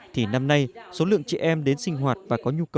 thì năm nay số lượng chị em đến sinh hoạt và có nhu cầu